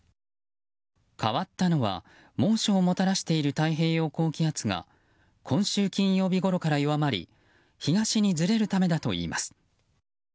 変わったのは、猛暑をもたらしている太平洋高気圧が今週金曜日ごろから弱まり東にずれるためだといいます。